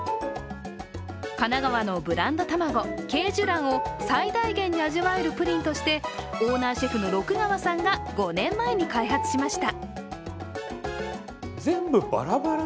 神奈川のブランド卵恵寿卵を最大限に味わえるプリンとしてオーナーシェフの六川さんが５年前に開発しました。